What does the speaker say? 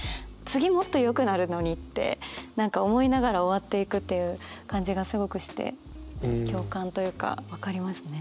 次もっとよくなるのにって何か思いながら終わっていくっていう感じがすごくして共感というか分かりますね。